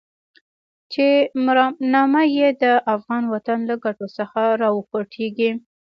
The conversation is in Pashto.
چې مرامنامه يې د افغان وطن له ګټو څخه راوخوټېږي.